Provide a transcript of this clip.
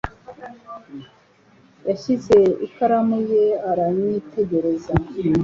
Yashyize ikaramu ye aranyitegereza.